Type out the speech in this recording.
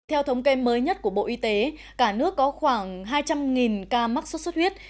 theo thống kê mới nhất của bộ y tế cả nước có khoảng hai trăm linh ca mắc sốt xuất huyết